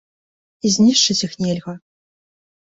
І знішчыць іх нельга.